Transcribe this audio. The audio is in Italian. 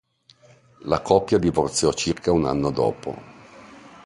La coppia divorziò circa un anno dopo.